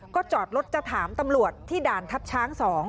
ก็จอดรถจะถามตำรวจที่ด่านทัพช้าง๒